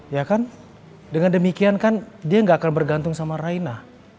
ya kan dengan demikian kan dia nggak akan bergantung sama raina